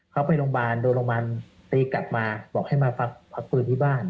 เขาไปโรงพยาบาลโดนโรงพยาบาลตีกลับมาบอกให้มาพักฟื้นที่บ้าน